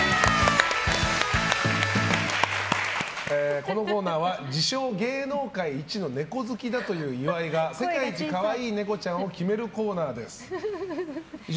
このコーナーは自称芸能界一ネコ好きだという岩井が世界一可愛いネコちゃんを決めるコーナーです。